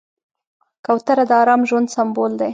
کوتره د ارام ژوند سمبول دی.